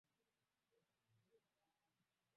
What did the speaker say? Cathy alikuwa mtu wa Yesu